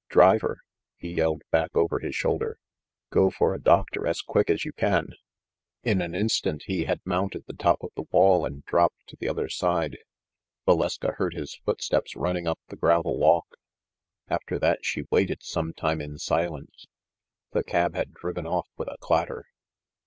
Driver," he yelled back over his shoulder, "go for a doctor as quick as you can !" In an instant he had mounted the top of the wall and dropped to the other side. Valeska heard his foot steps running up the gravel walk. After that she waited some time in silence. The cab had driven off with a clatter.